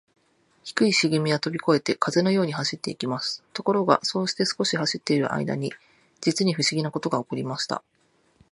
低いしげみはとびこえて、風のように走っていきます。ところが、そうして少し走っているあいだに、じつにふしぎなことがおこりました。